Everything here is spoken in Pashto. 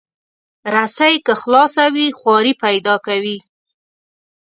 رسۍ که خلاصه وي، خواری پیدا کوي.